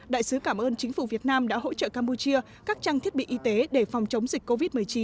đại sứ cảm ơn chính phủ việt nam đã hỗ trợ campuchia các trang thiết bị y tế để phòng chống dịch covid một mươi chín